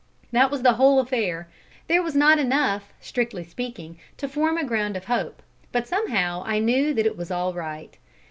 That was the whole affair. There was not enough, strictly speaking, to form a ground of hope; but somehow I knew that it was all right.